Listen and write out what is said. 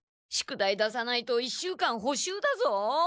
宿題出さないと１週間補習だぞ。